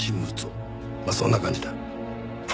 まあそんな感じだ。